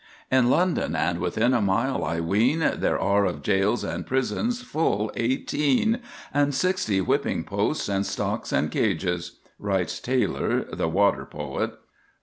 "In London, and within a mile, I ween, There are of jails and prisons full eighteen, And sixty whipping posts, and stocks, and cages," writes Taylor, the Water Poet.